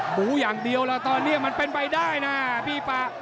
หมูอย่างเดียวแล้วตอนนี้มันเป็นไปได้นะพี่ปะ